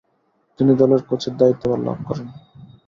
তিনি দলের কোচের দায়িত্বভার লাভ করেন।